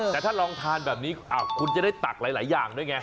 แต่ถ้าลองทานแบบนี้คุณจะได้ตักหลายอย่างด้วยไง